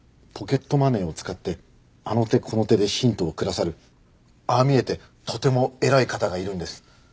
ポケットマネーを使ってあの手この手でヒントをくださるああ見えてとても偉い方がいるんです。